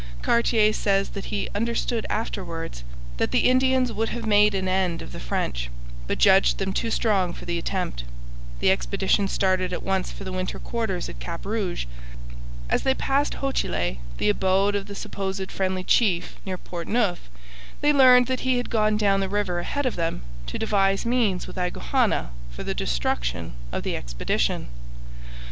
Cartier says that he 'understood afterwards' that the Indians would have made an end of the French, but judged them too strong for the attempt. The expedition started at once for the winter quarters at Cap Rouge. As they passed Hochelay the abode of the supposed friendly chief near Portneuf they learned that he had gone down the river ahead of them to devise means with Agouhanna for the destruction of the expedition.